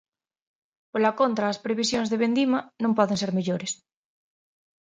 Pola contra, as previsións de vendima non poden ser mellores.